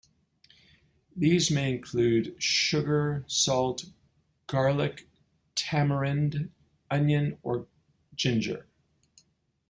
These may include sugar, salt, garlic, tamarind, onion or ginger.